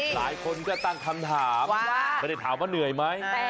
หลายคนก็ตั้งคำถามไม่ได้ถามว่าเหนื่อยไหม